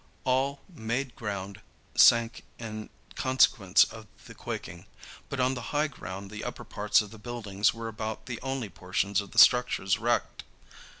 All "made ground" sank in consequence of the quaking, but on the high ground the upper parts of the buildings were about the only portions of the structures wrecked.